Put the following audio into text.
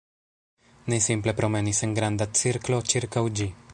Ni simple promenis en granda cirklo ĉirkaŭ ĝi